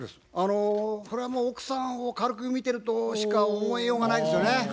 これはまあ奥さんを軽く見てるとしか思いようがないですよね。